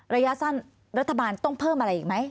ระยะสั้นรัฐบาลต้องเพิ่มอะไรอีกไหม